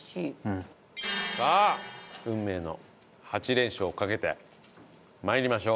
さあ運命の８連勝をかけて参りましょう。